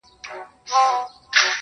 • سترگو کي باڼه له ياده وباسم.